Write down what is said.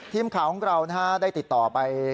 ทีมข่าวของเราได้ติดต่อไป